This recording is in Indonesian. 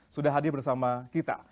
sudah hadir bersama kita